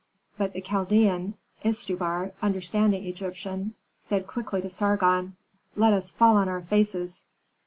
But the Chaldean, Istubar, understanding Egyptian, said quickly to Sargon, "Let us fall on our faces."